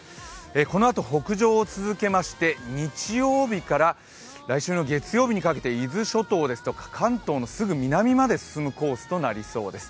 このあと北上を続けまして日曜日から来週の月曜日にかけて伊豆諸島ですとか関東のすぐ南まで進む予想となりそうです。